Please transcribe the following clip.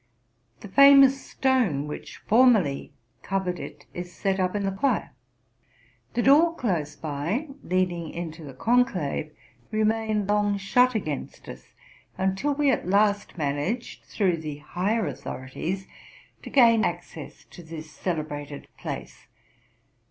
The famous stone which formerly covered it is set up in the choir. The door close by, leading into the conclave, remained long shut against us, until we at last managed, through the higher authorities, to gain access to this celebrated place.